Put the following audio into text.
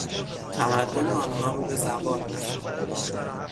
تمدن آنها رو به زوال نهاد.